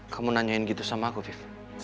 kamu nanyain gitu sama aku viva